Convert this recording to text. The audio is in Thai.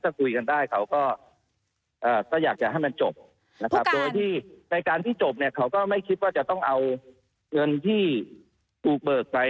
ถ้าคุยกันได้เขาก็อยากจะให้มันจบนะครับโดยที่ในการที่จบเนี่ยเขาก็ไม่คิดว่าจะต้องเอาเงินที่ถูกเบิกไป